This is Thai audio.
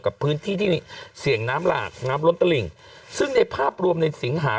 กับพื้นที่นี้เสียงน้ำหลากน้ำบร้อนตระหลีงภาพรวมในสิงหา